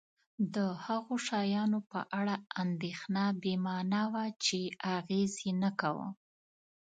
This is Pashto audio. د هغو شیانو په اړه اندېښنه بې مانا وه چې اغېز یې نه کاوه.